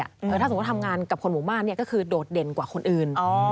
ถ้าสมมุติทำงานกับคนหมู่บ้านเนี่ยก็คือโดดเด่นกว่าคนอื่น